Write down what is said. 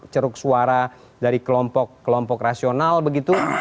ceruk suara dari kelompok kelompok rasional begitu